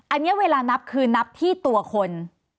อันนี้เวลานับคือนับที่ตัวคน